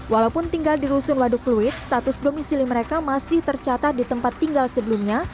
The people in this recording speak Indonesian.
walaupun tinggal di rusun waduk pluit status domisili mereka masih tercatat di tempat tinggal sebelumnya